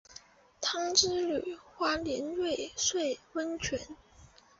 汤之旅花莲瑞穗温泉